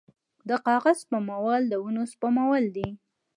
د کاغذ سپمول د ونو سپمول دي